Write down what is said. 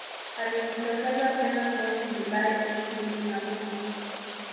Alijitokeza tena mwezi Julai elfu mbili na kumi